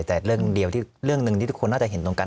แต่เรื่องเดียวที่เรื่องหนึ่งที่ทุกคนน่าจะเห็นตรงกัน